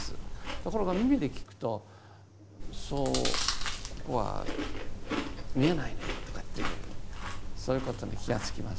ところが耳で聞くとそうここは見えないねとかというそういうことに気が付きます。